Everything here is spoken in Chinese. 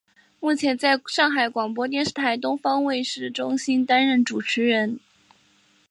目前在上海广播电视台东方卫视中心担任主持人。